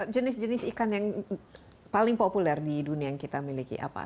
jenis jenis ikan yang paling populer di dunia yang kita miliki apa